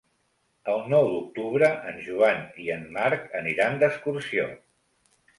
El nou d'octubre en Joan i en Marc aniran d'excursió.